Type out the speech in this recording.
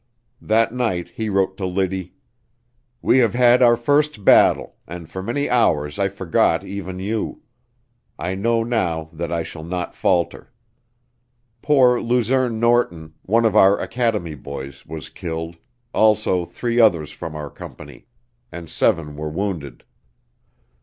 That night he wrote to Liddy: "We have had our first battle, and for many hours I forgot even you. I know now that I shall not falter. Poor Luzerne Norton, one of our academy boys, was killed, also three others from our company; and seven were wounded."